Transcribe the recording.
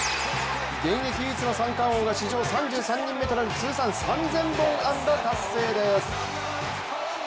現役唯一の三冠王が史上３３人目となる通算３０００本安打達成です。